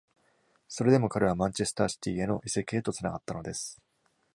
それでも、彼はマンチェスター・シティへの移籍へとつながったのです。